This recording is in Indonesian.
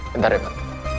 bentar ya pak